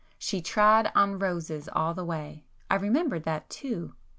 She trod on roses all the way,—I remembered that too